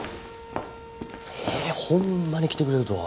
えっほんまに来てくれるとは。